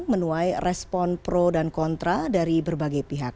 menuai respon pro dan kontra dari berbagai pihak